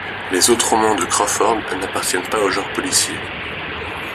Les autres romans de Crawford n'appartiennent pas au genre policier.